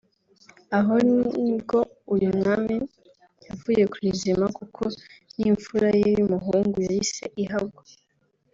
aho ni bwo uyu mwami yavuye ku izima kuko n’imfura ye y’umuhungu yahise ihagwa